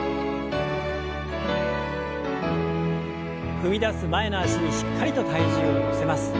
踏み出す前の脚にしっかりと体重を乗せます。